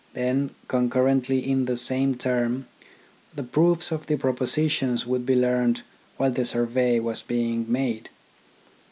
Then, concurrently in the same term, the proofs of the propositions would be learnt while the survey was being made.